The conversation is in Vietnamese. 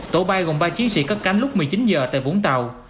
tổ bay gồm ba chiến sĩ cất cánh lúc một mươi chín h tại vũng tàu